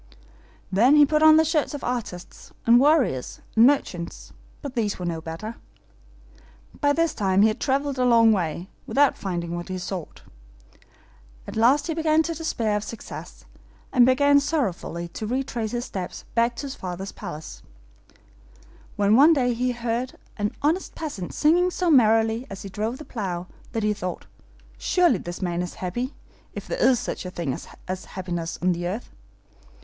Then he put on the shirts of artists, and warriors, and merchants; but these were no better. By this time he had traveled a long way, without finding what he sought. At last he began to despair of success, and began sorrowfully to retrace his steps back to his father's palace, when one day he heard an honest peasant singing so merrily as he drove the plow, that he thought, 'Surely this man is happy, if there is such a thing as happiness on earth.